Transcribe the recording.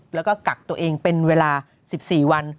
แล้วก็กักตัวเองเป็นเวลา๑๔วัน